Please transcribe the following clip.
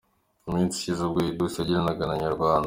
Mu minsi ishize ubwo Edouce yaganiraga na Inyarwanda.